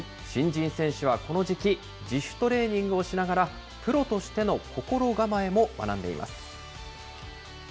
新人選手はこの時期、自主トレーニングをしながら、プロとしての心構えも学んでいます。